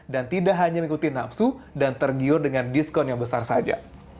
dan tidak hanya mengikuti nafsu dan tergiur dengan diskon yang besar saja